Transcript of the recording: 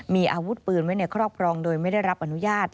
มีอาวุธปืนไว้ในครอบครองโดยไม่ได้รับอนุญาต